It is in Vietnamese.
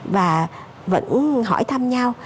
và vẫn hỏi thăm nhau